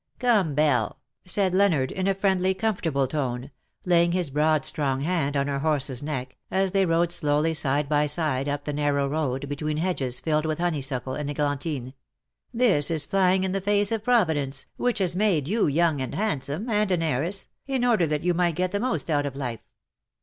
^' Come, Belle/^ said Leonard, in a friendly, com fortable tone, laying his broad strong hand on her horse's neck, as they rode slowly side by side up the narrow road, between hedges filled with honeysuckle and eglantine, " this is flying in the face of Provi dence, which has made you young and handsome, and an heiress, in order that you might get the most out of life.